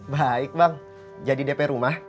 baik bang jadi dp rumah